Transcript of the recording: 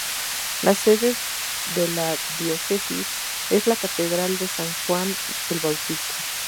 La sede de la Diócesis es la Catedral de San Juan el Bautista.